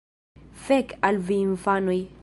Fek' al vi infanoj!